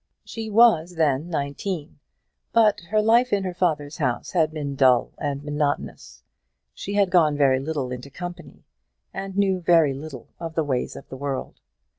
She was then nineteen; but her life in her father's house had been dull and monotonous; she had gone very little into company, and knew very little of the ways of the world.